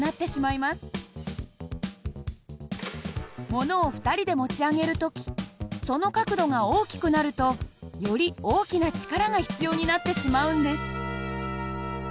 ものを２人で持ち上げる時その角度が大きくなるとより大きな力が必要になってしまうんです。